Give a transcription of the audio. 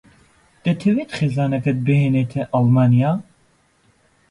دەتەوێت خێزانەکەت بهێنیتە ئەڵمانیا؟